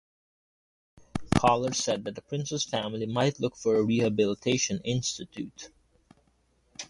Koller said that the Prince's family might now look for a rehabilitation institution.